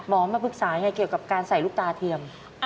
มาปรึกษาไงเกี่ยวกับการใส่ลูกตาเทียม